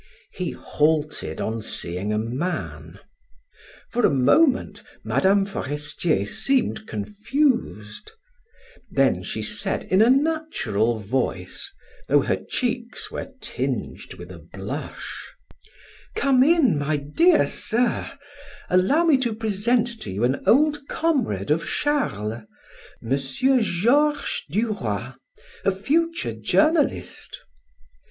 He halted on seeing a man. For a moment Mme. Forestier seemed confused; then she said in a natural voice, though her cheeks were tinged with a blush: "Come in, my dear sir; allow me to present to you an old comrade of Charles, M. Georges Duroy, a future journalist."